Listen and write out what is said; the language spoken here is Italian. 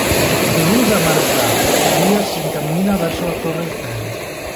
Deluso e amareggiato, Elias si incammina verso la Torre Eiffel.